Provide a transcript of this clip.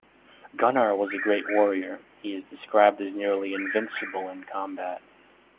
Gunnar was a great warrior - he is described as nearly invincible in combat.